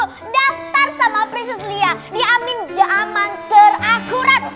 bu daftar sama prinses lia di amin the aman terakurat